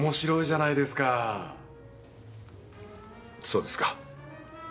そうですか？